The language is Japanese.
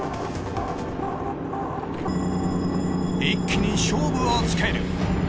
一気に勝負をつける。